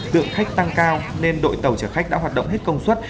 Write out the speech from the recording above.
tượng khách tăng cao nên đội tàu trở khách đã hoạt động hết công suất